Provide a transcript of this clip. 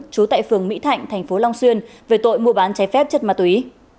trú tại phường mỹ thạnh thành phố long xuyên về tội mua bán trái phép chất ma túy